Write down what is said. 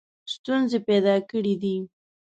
ستونزې پیدا کړي دي.